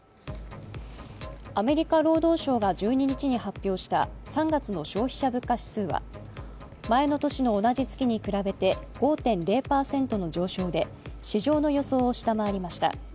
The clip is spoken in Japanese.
アメリカ労働省が１２日に発表した３月の消費者物価指数は前の年の同じ月に比べて５．０％の上昇で市場の予想を下回りました。